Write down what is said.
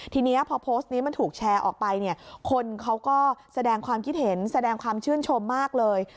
ทีนี้พอโพสต์นี้มันถูกแชร์ออกไปเนี่ยคนเขาก็แสดงความคิดเห็นแสดงความชื่นชมมากเลย